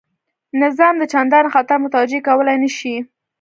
نظام ته چنداني خطر متوجه کولای نه شي.